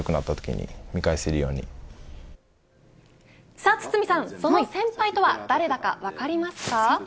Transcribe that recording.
さあ堤さん、その先輩とは誰だか分かりますか。